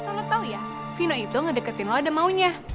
asal lo tau ya vino itu ngedeketin lo dan maunya